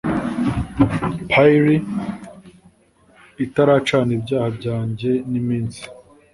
pyre itaracana ibyaha byanjye niminsi,